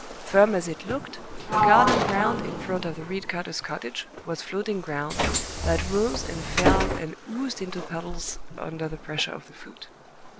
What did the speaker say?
Firm as it looked, the garden ground in front of the reed cutter's cottage was floating ground, that rose and fell and oozed into puddles under the pressure of the foot.